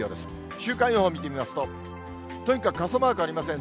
週間予報見てみますと、とにかく傘マークありません。